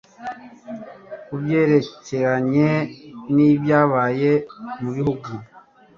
Kubyerekeranye nibyabaye mubihugu